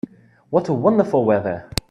What a wonderful weather!